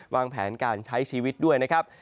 วางแผนการใช้ชีวิตด้วยนะครับ